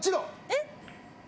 えっ。